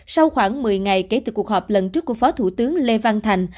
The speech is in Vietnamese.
sau khoảng một mươi ngày kể từ cuộc họp lần trước của phó thủ tướng lê văn thành